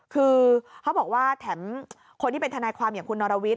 คือเขาบอกว่าแถมคนที่เป็นทนายความอย่างคุณนรวิทย